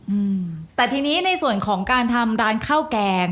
อืมแต่ทีนี้ในส่วนของการทำร้านข้าวแกง